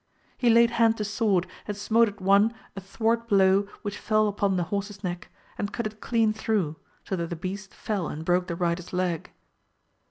He laid hand to sword and smote at one a thwart blow which fell upon the horse's neck, and cut it clean through, so that the beast fell and broke the rider's leg.